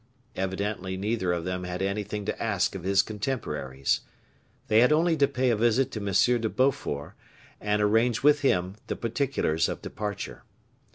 Evidently neither of them had anything to ask of his contemporaries. They had only to pay a visit to M. de Beaufort, and arrange with him the particulars of departure.